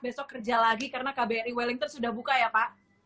besok kerja lagi karena kbri wellington sudah buka ya pak